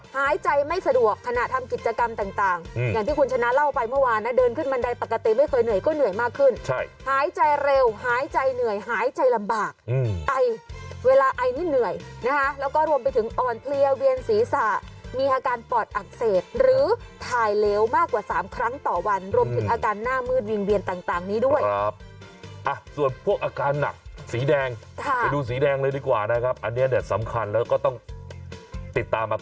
หายใจไม่สะดวกขณะทำกิจกรรมต่างอย่างที่คุณชนะเล่าไปเมื่อวานนะเดินขึ้นมันไดปกติไม่เคยเหนื่อยก็เหนื่อยมากขึ้นใช่หายใจเร็วหายใจเหนื่อยหายใจลำบากไอเวลาไอนิดเหนื่อยนะคะแล้วก็รวมไปถึงอ่อนเพลียเวียนศีรษะมีอาการปอดอักเสบหรือถ่ายเลวมากกว่า๓ครั้งต่อวันรวมถึงอาการหน้ามืดวิ่งเวียนต่างนี้ด